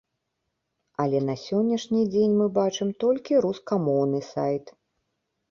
Але на сённяшні дзень мы бачым толькі рускамоўны сайт.